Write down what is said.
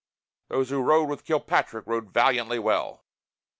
Those who rode with Kilpatrick rode valiantly well!